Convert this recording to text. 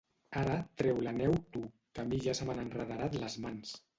Ara treu la neu tu, que a mi ja se m'han enrederat les mans.